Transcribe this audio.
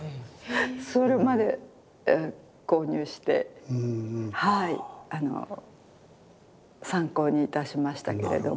それまで購入してはい参考にいたしましたけれども。